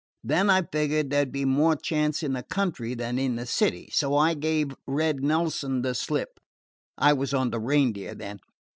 Then I figured there 'd be more chance in the country than in the city; so I gave Red Nelson the slip I was on the Reindeer then.